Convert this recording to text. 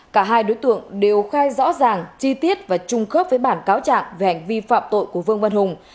cả hai đối tượng đều khai rõ ràng chi tiết và trung khớp với bản cáo trạng về hành vi phạm tội của vương văn hùng